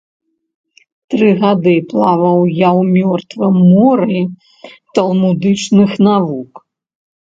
Тры гады плаваў я ў мёртвым моры талмудычных навук.